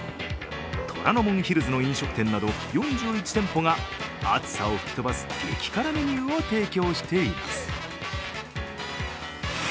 虎ノ門ヒルズの飲食店など４１店舗が暑さを吹き飛ばす激辛メニューを提供しています。